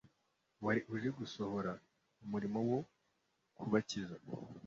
wari uje gusohoza umurimo wo kubakiza.